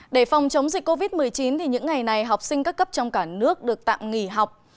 để phòng chống dịch covid một mươi chín những ngày này học sinh các cấp trong cả nước được tạm nghỉ học